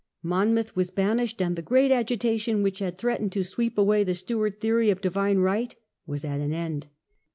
Monmouth was banished, and the great agitation which had threatened to sweep away the Stewart theory of Divine Right was at an end.